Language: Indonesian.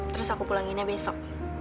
terus aku pulanginnya besok